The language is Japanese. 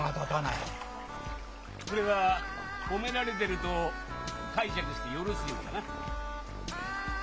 それは褒められてると解釈してよろしいのかな。